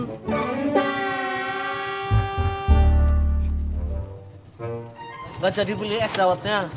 enggak jadi pilih es lawatnya